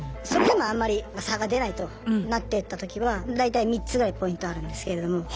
それでもあんまり差が出ないとなってったときは大体３つぐらいポイントあるんですけれども。